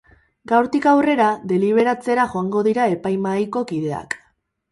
Gaurtik aurrera, deliberatzera joango dira epaimahaiko kideak.